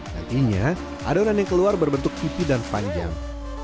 nantinya adonan yang keluar berbentuk pipi dan panjang